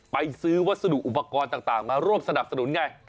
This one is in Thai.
ซื้อวัสดุอุปกรณ์ต่างมาร่วมสนับสนุนไง